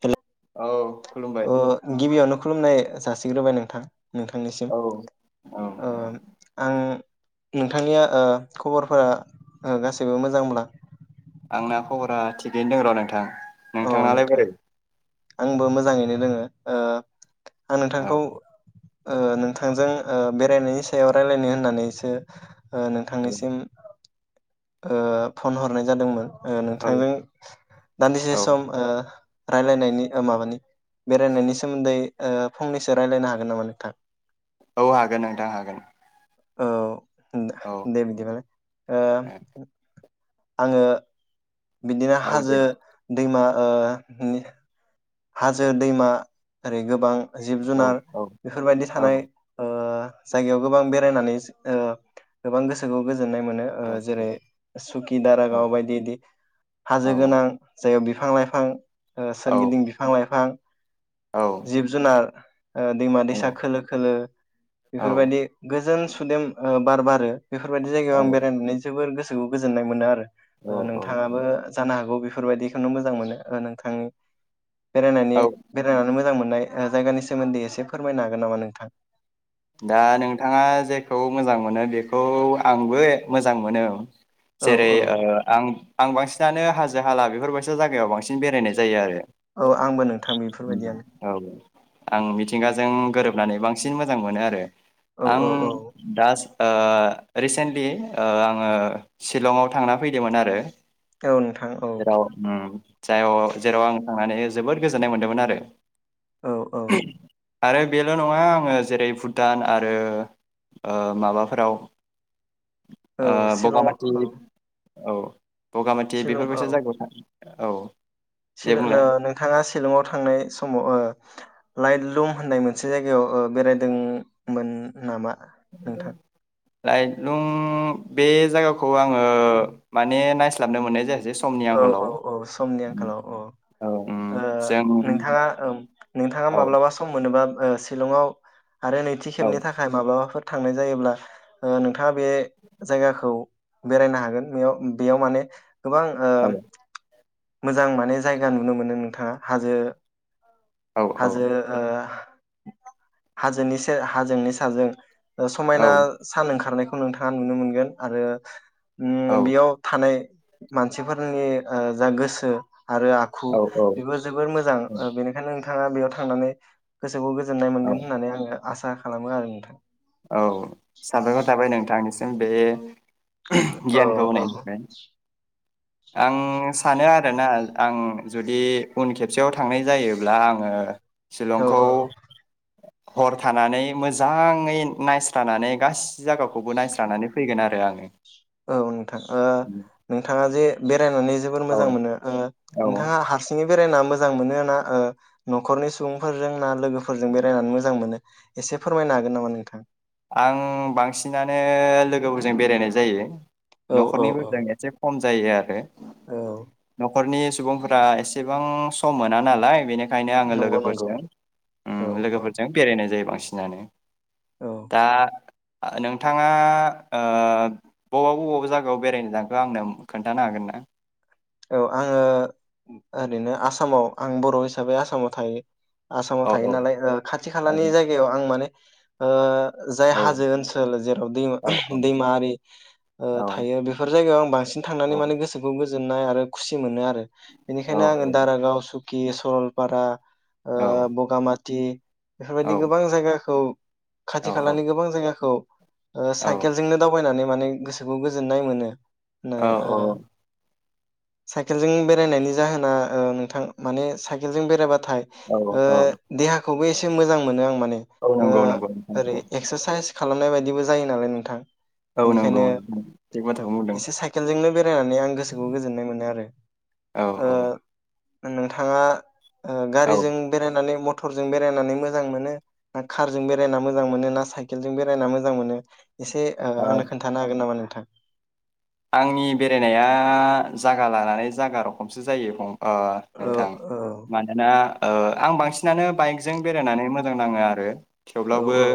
[unintelligible] औ खुलुमबाय ओ गिबियावनो खुलुमनाय जासिग्रोबाय नोंथां नोंथांनिसिम औ औ ओ आं नोंथांनिया ओ खबरफोरा ओ गासैबो मोजांब्ला आंना खबरा थिगैनो दं र' नोंथां । औ नोंथांनालाय नोंथां बोरै आंबो मोजाङैनो दोङो ओ आं नोंथांखौ औ ओ नोंथांजों ओ बेरायनायनि सायाव रायलानो होननानैसो ओ नोंथांनिसिम ओ फन हरनाय जादोंमोन । ओ औ नोंथांजों दान्दिसे औ स ओ रायलायनायनि ओ माबानि बेरायनायनि सोमोन्दै ओ फंनैसो रायलायनो हागोन नामा नोंथां औ हागोन नोंथां हागोन । औ दा दे बिदिबालाय ओ आङो बिदिनो औ हाजो दे दैमा ओ [unintelligible] हाजो दैमा ओरै गोबां जिब औ जुनार औ बेफोरबायदि औ थानाय ओ जायगायाव गोबां बेरायनानै जो गोबां गोसोखौ गो जोननाय मोनो औ ओ जेरै सुकि औ दारागाव बायदि दि औ हाजो गोनां जायाव बिफां लाइफां ओ औ सोरगिदिं बिफ औ [unintelligible] जिब जुनार ओ दैमा दैसा खोलो खोलो बेफोरबायदि गोजोन सु सुदेम ओ बार बारो । बेफोरबायदि जायगायाव आं बेरायनानै जोबोर गोसो खौ गोजोन्नाय मोनो आरो औ ओ औ नोंथाङाबो जानो हागौ बेफ बेफोर बायदिखौनो मोजां मोनो ओ नोंथांनि बेरायनायनि औ बेरायनानै मोजां मोन नाय जायगानि सोमोन्दै एसे फोरमायनो हागोन नामा नोंथां । दा नोंथाङा जेखौ मोजां मोनो बेखौ आंबो ए मोजां मोनो । औ जेरै औ ओ आं आं बांसिनानो हाजो हाला बेफोरबायदि जायगायाव बांसिन बेरायनाय जायो आरो औ आंबो नोंथां बेफोर बायदियानो औ आं मिथिंगाजों गोरोबनानै बांसिन मोजां मोनो आ रो औ आं औ औ दास ओ रिसेन्टलि ओ आङो शिलंआव थांना फैदोंमोन आरो औ नोंथां औ जेराव उम जा व जेराव आं थांनानै जोबोद गोजोननाय मोन्दोंमोन आरो औ औ आरो बेल' नङा आङो जेरै फुद भुटान आरो ओ माबाफोराव औ ओ बगा माथि शिलंआव औ औ बगा माथि बेफोर बायसा जायगायाव था औ दे सिल नो बुंलाय नोंथाङा सिलंआव थांनाय समाव ओ लाइट लुम होननाय मोनसे जायगायाव ओ बेरायदोंमोन नामा नोंथां लाइट लुम बे जायगाखौ आङो माने नायस्लाबनो मोननाय जायासै समनि औ औ आंखालाव औ समनि आंखालाव औ उम ओ जों नोंथाङा ओम नोंथाङा औ माब्लाबा सम मोनोबा ओ शिलंआव आरो नैथि औ खेबनि थाखाय माब्लाबाफोर थांनाय जायोब्ला ओ नोंथां नोंथाङा बे जायगाखौ बेरायनो हागोन बेयाव बेयाव माने गोबां ओ औ मोजां माने जायगा नुनो मोनो नोंथाङा हाजो औ हाजो ओ हाजो से हाजोनि साजों ओ समायना सान ओंखारनायखौ खौ नोंथाङा नुनो मोनगोन आरो ओम बेयाव थानाय मानसिफोरनि ओ जा गोसो आरो आखु औ बेबो जोबोर मोजां ओ बेनिखायनो नोंथां बिथाङा बेयाव थांनानै गोसोखौ गोजोननाय मोनगोन होननानै आङो आसा खालामो आरो नोंथां औ साबायखर थाबाय नोंथांनिसिम बे औ गियानखौ औ होनायनो थाखाय। आं सानो आरोना आं जुदि उन खेबसेयाव थांनाय जायोब्ला आङो औ सिलंखौ औ हर थानानै मोजाङै नायस्रानानै गासि जायगाखौबो नायस्रानानै फैगोन आरो आङो। औ नोंथां ओ नोंथाङा जे बेरायनानै जोबोर औ मोजां मोनो ओ औ नोंथाङा हारसिङै बेरायना मोजां मोनो ना ओ न'खरनि सुबुंफोरजों ना लोगोफोरजों बेरायनानै मोजां मोनो एसे फोरमायनो हागोन नामा नोंथां? आं बांसिनानो लोगोफोरजों बेरायनाय जायो। औ औ न'खरनिबो औ जों एसे खम जायो आरो औ न'खरनि सुबुंफोरा एसेबां सम मोना नालाय बेनिखायनो ओंखायनो आङो नंगौ नंगौ औ लोगोफोरजों औ लोगोफोरजों बेरायनाय जायो बांसिन। [inaudible] औ दा नोंथाङा ओ बबा बबावबा जायगायाव बेरायनो थांखो आंनो खोन्थानो हागोन ना? औ आङो ओरैनो आसामाव आं बर' हिसाबै आसामाव थायो आसामाव औ थायो औ नालाय खाथि औ खालानि जायगायाव आं माने ओ । जाय औ हाजो ओनसोल जेराव दै औ दैमारि ओ औ थायो बेफोर जायगायाव आं बांसिन औ थांनानै माने गोसोखौ गोजोन मोननाय आरो खुसि मोनो आरो। औ बेनिखायनो आङो दारागाव सुखि कि सरलपारा ओ औ औ बगामाथि थि बेफोर औ बायदि गोबां जायगाखौ खाथि खालानि गोबां जायगाखौ ओ साइकेलजोंनो दावबायनानै माने गोसोखौ गोजोन्नाय मोनो। नो ओ साइकेलजों बेरायनायनि जाहोना ओ नोंथां माने साइकेलजों बेरायबा। थाइ औ ओ औ देहाख खौबो एसे मोजां मोनो आं माने औ [unintelligible] ओ नंगौ नंगौ नोंथां ओरै नंगौ एक्ससारसाइस खालामनाय बायदिबो जायो नालाय नोंथां। औ नंगौ बेनिखायनो नोंथां थिग बाथ्राखौनो बुंदों एसे साइकेलजोंनो बेरायनानै आं गोसो गोसोखौ गोजोननाय मोनो आरो औ ओ औ नोंथाङा ओ औ गारिजों बेरायनानै मथ मटरजों बेरायनानै मोजां मोनो ना कारजों बेरायना मोजां मोनो ना साइकेलजों बेरायना मोजां मोनो? एसे ओ आंनो खोन्थानो हागोन नामा नों? था आंनि बेरायनाया जागा लानानै जागा रखमसो जायो फं अ औ नोंथां औ मानोना ओ आं बांसिनानो बाइकजों बेरायनानै मोजां नाङो आरो। औ थेवब्लाबो औ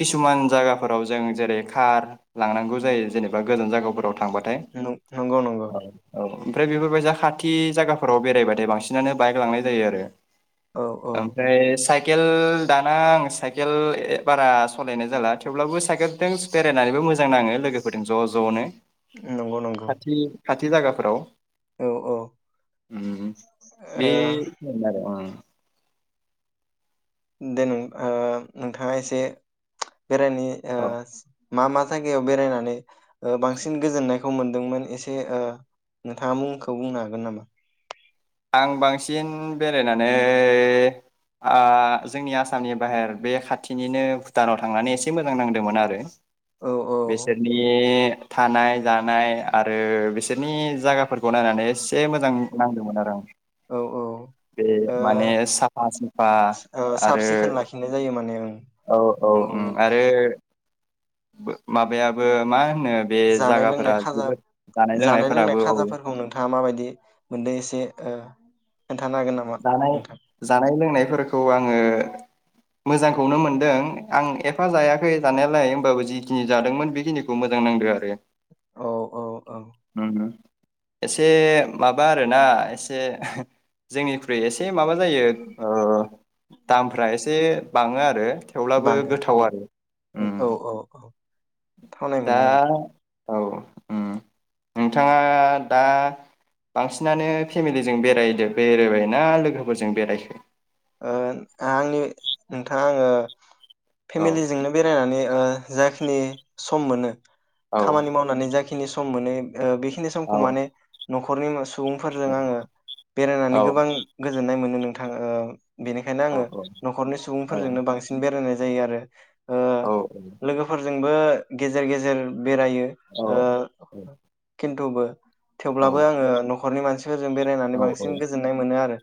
किसुमान जायगाफोराव जों जेरै कार लांनांगौ जायो जेनेबा गोजान जगाफोराव थांबा नोंगौ नंगौ नंगौ। ओमफ्राय बेफोरबायसा खाथि जायाफोराव बेरायबाथाय बांसिनानो बाइक लांनाय जायो आरो। औ औ ओमफ्राय साइक साइकेल दाना आं साइकेल ओ बारा सलानाय जाला थेवब्लाबो साइकेलजों बेरायनानैबो मोजां नाङो लोगोफोरजों। ज जनो नंगौ नंगौ। थि जायगाफोराव औ ओ उम बे खिनियानो आरो ओ दे नों ओ नोंथाङा एसे बेेरायनि ओ औ मा मा जायगायाव बेरायनानै ओ बांसिन गोजोननायखौ मोनदोंमोन एसे ओ नोंथाङा मुंखौ बुंनो हागोन नामा? आं बांसिन बेरायनानै आ जोंनि आसामनि बाहेर बे खाथिनिनो भुटानाव थांनानै एसे मोजां नांदोंमोन आरो। औ बेसोरनि थानाय जानाय आरो बिसोरनि जायगाफोरखौ नायनानै एसे मोजां नांदोंमोन आरो आं। औ ओ बे माने साफा सुफा ओ साब आरो सिखोन लाखिनाय जायो माने ओं औ औ ओम नंगौ नंगौ आरो बो माबायाबो मा हो जानाय लोंनाय खाजा जानाय लोंनाय लोंनायफोराबो औ खाजाफोरखौ नोंथाङा माबायदि मोनदों एसे ओ खोन्थानो हागोन नामा जानाय नोंथां? जानाय लोंनायफोरखौ आङो मोजांखौनो मोनदों आं एफा जायाखै जानायालाय होमबाबो जि खिनि जादोंमोन बेखिनिखौ मोजां नांदो आरो। औ औ औ होम होम। एसे माबा आरोना एसे जोंनिख्रुइ एसे माबा जायो ओ दामफ्रा एसे बाङो आरो। थेवब्लाबो बाङो गोथाव औ आरो औ औ औ। थावनाय दा मोनो नोंथां औ उम नोंथाङा दा बांसिनानो फेमिलिजों बेरायदो बेरायबाय ना लोगोफोरजों बेरायखो? ओ आंनि नोंथां आंङो औ फेमिलिजोंनो बेरायनानै ओ जाखिनि सम मोनो औ खामानि मावनानै जाखि खिनि सम मोनो ओ बेखिनि औ समखौ माने न'खरनि सुबुंफोरजों आङो औ बेरायनानै गोबां गोजोननाय मोनो नों नोंथां ओ बेनिखायनो औ आङो न'खरनि औ सुबुंफोरजोंनो बांसिन बेरायनाय जायो आरो। औ औ। बो गेजेर गेजेर बेरायो औ ओ [unintelligible] [unintelligible] औ थेवब्लाबो आङो न' खरनि मानसि फोरजों बेरायनानै औ औ बांसिन गोजोन्नाय मोनो आरो।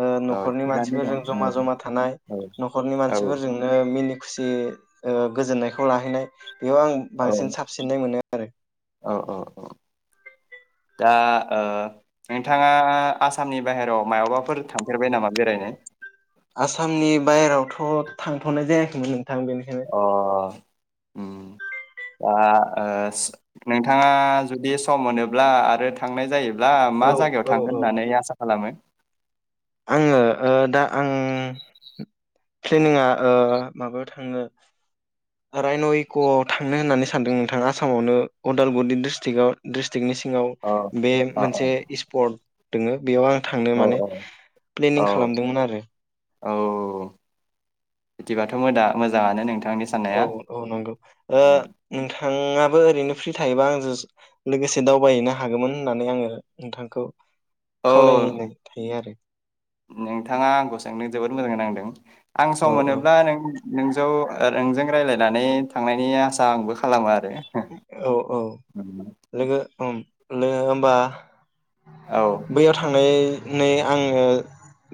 ओ औ न'खरनि मानसि थिगानो दं [unintelligible] जमा ओं, जमा थानाय औ न'खरनि औ मानसिफोरजोंनो मिनि खुसि ओ गोजोननायखौ लाहैनाय। बेयाव आं औ बांसिन साबसिननाय मोनो आरो‌ औ औ औ दा ओ नोंथाङा आसामनि बाहेराव मायावबाफोर थांफेरबाय नामा बेरायनो? आसामनि बाहेरावथ' थांथ'नाय जायाखैमोन नों अ ओम दा ओ स नोंथाङा जुदि सम मोनोब्ला आरो थांनाय जायो ब्ला मा औ जायगायाव औ थांगोन औ होननानै आसा खालामो? आङो ओ दा आं प्लेनिंआ ओ माबायाव थांनो रायन' इक' आव थांनो होननानै सानदों नोंथाङा आसामावनो अदालगुरि ड्रिसटिकआव ड्रिस स्ट्रिकनि सिङाव अ बे अ अ मोनसे स्पर्ट दोङो। बेयाव आं थांनो औ माने औ प्लेनिं खालामदोंमोन आरो। औ बिदिबाथ' मोदा मोजाङानो नोंथां। औ औ नंगौ ओ नोंथां नोंथाङाबो ओरैनो फ्रि थायोबा आंजों लोगोसे दावबायहैनो हागौमोन होननानै आङो नोंथांखौ औ खावलायनाय थायो आरो। नोंथाङा आंखौ सोंनो जोबोद मोजाङै नांदों। आं सम औ औ मोनोब्ला नों नोंजौ ओ नोंजों रायज्लायनानै थांनायनि आसा आंबो खालामो आ औ औ लोगो ओम लोगो होमबा औ बैयाव थांनाय नै आङो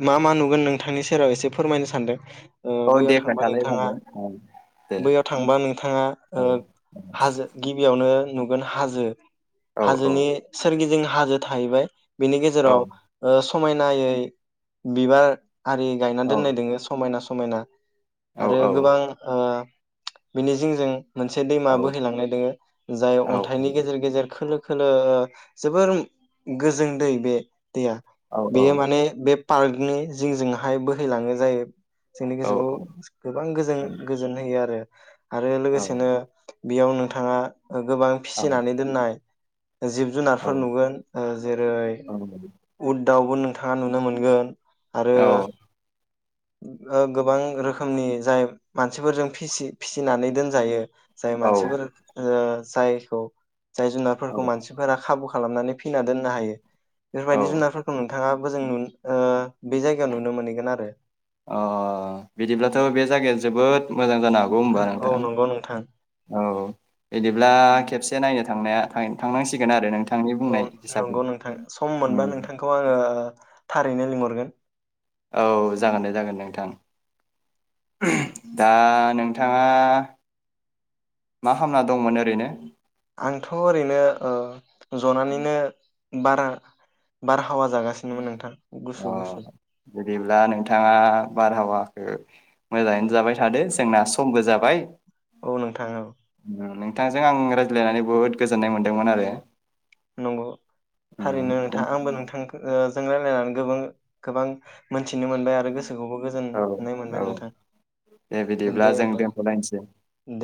मा मा नुगोन नोंथांनि सेराव एसे फोरमायनो सानदों । ओ औ बैयाव दे थांबा खोन्थालाय नोंथाङा फंबाय औ दे बैयाव थांबा नोंथाङा ओ औ गिबियावनो नुगोन हाजो औ औ हाजोनि सोरगिदिं हाजो थाहैबाय। बेनि औ गेजेराव ओ स समायनायै बिबार आरि गायनानै दोननाय औ दोङो समायना स मायना औ आरो औ गोबां ओ बिनि जिंजों मोनसे औ दैमाबो लांनाय दोङो जाय औ अन्थाइनि गेजेर गेजेर खोलो खोलो जोबोर गोजों दै बे दैया औ बेयो माने बे पार्कनि जिंजोंहाय बोहैलाङो जायो। जोंनि गोसोखौ औ गोबां गोजोन गोजोन होयो आरो आरो लोगोसेनो बेयाव नोंथाङा गोबां फिसिनानै दोननाय जिब जुनारफोर नुगोन ओ जेरै उद दावबो नोंथाङा नुनो मोनगोन। आरो गोबां रोखोमनि जाय मानसिफोरजों फिसि फिसिनानै दोनजायो। जाय औ मानसिफोर ओ जायखौ जाय जुनारफोरखौ मानसिफोरा खाबु खालामनानै फिना दोननो हायो। औ बेफोरबायदि जुनारफोरखौ नोंथाङा बो जों नु ओ बे जायगायाव नुनो मोनहैगोन आरो अ' बिदिब्लाथ' बे जायगाया जोबोद मोजां जानो हागौ होमबा औ नोंथां नंगौ नोंथां औ बिदिब्ला खेबसे नायनो थांनाया थां-थांनांसिगोन आरो नोंथ औ नंगौ नोंथां सम उम मोनबा नोंथांखौ आङो थारैनो लिंहरगोन। औ जागोन दे जागोन नोंथां दा नोंथाङा मा खालाम ना दंमोन ओरैनो? आंथ' ओरैनो ओ ज'नानैनो [unintelligible] हावा जागासिनोमोन नोंथां अ गुसु गुसु बिदिब्ला नोंथाङा बारहावाखौ मोजाङैनो जाबाय थादो जोंना सम गोजाबाय। औ नोंथाङ औ नोंथांजों आं रायज्लायनानै बुहुद गोजोननाय मोन्दोंमोन आरो नंगौ थारैनो उम नोंथाङा आंबो नोंथां ओ जों रायलनानै गोबां मोनथिनो मोनबाय आरो गोसो औ औ दे बिदिब्ला दे जों होमबा दोनथ'लायनोसै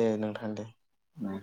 दे नोंथां दे